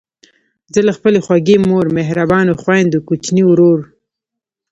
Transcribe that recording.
زه له خپلې خوږې مور، مهربانو خویندو، کوچني ورور،